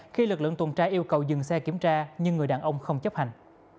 khi lực lượng tuần tra yêu cầu dừng xe kiểm tra nhưng người đàn ông không chấp hành